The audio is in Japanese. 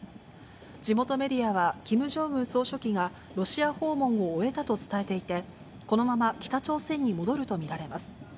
地元メディアは、キム・ジョンウン総書記が、ロシア訪問を終えたと伝えていて、このまま北朝鮮に戻ると見られます。